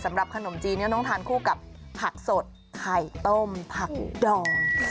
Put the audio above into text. สำหรับขนมจีนนี้ต้องทานคู่กับผักสดไข่ต้มผักดอง